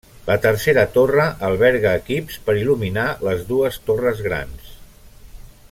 La tercera torre alberga equips per il·luminar les dues torres grans.